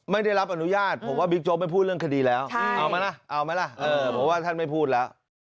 ไม่ได้รับอนุญาตผมว่าบิ๊กโจ๊ไม่พูดเรื่องคดีแล้วเอาไหมล่ะเอาไหมล่ะเพราะว่าท่านไม่พูดแล้ว